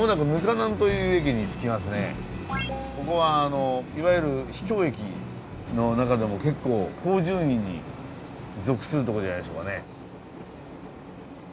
ここはいわゆる秘境駅の中でも結構高順位に属するとこじゃないでしょうかね。